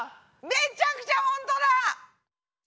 めちゃくちゃほんとだ！